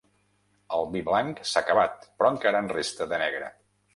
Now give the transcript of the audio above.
El vi blanc s'ha acabat, però encara en resta de negre.